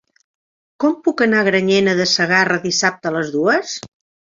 Com puc anar a Granyena de Segarra dissabte a les dues?